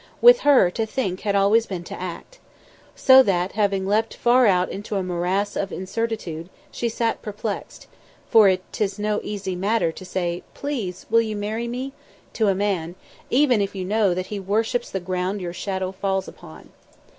With her to think had always been to act. So that, having leapt far out into a morass of incertitude, she sat perplexed, for 'tis no easy matter to say, "Please will you marry me?" to a man, even if you know that he worships the ground your shadow falls upon.